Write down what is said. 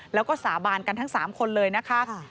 แล้วก็สาบานกันทั้ง๓คนเลยนะคะ